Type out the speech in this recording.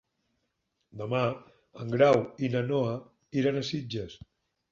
Demà en Grau i na Noa iran a Sitges.